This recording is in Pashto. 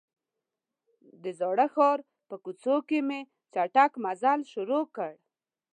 د زاړه ښار په کوڅو کې مې چټک مزل شروع کړ.